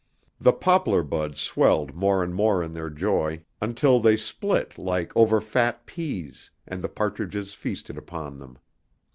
The poplar buds swelled more and more in their joy, until they split like over fat peas, and the partridges feasted upon them.